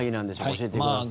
教えてください。